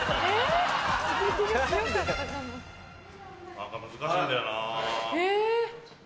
・何か難しいんだよな・え！